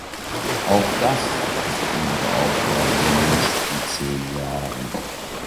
Auch das ist unsere Aufgabe in den nächsten zehn Jahren.